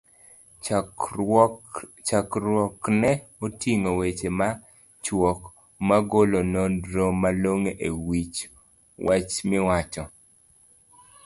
chakruokne oting'o weche machuok, magolo nonro malongo e wich wach miwach?